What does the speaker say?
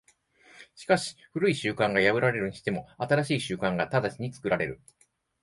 しかし旧い習慣が破られるにしても、新しい習慣が直ちに作られる。